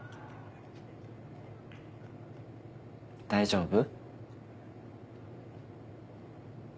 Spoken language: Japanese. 大丈夫？